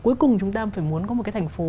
cuối cùng chúng ta phải muốn có một cái thành phố